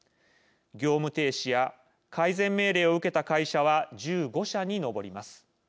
業務停止や改善命令を受けた会社は１５社に上ります。